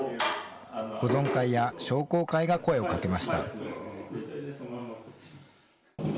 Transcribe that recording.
保存会や商工会が声をかけました。